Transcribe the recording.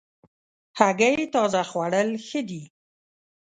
هګۍ تازه خوړل ښه دي.